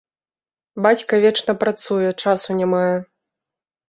Бацька вечна працуе, часу не мае.